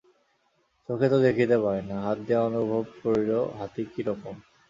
চোখে তো দেখিতে পায় না, হাত দিয়া অনুভব করিল হাতী কি রকম।